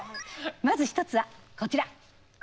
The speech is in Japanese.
まず１つはこちら。